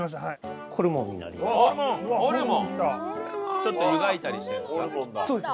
ちょっと湯がいたりしてるんですか？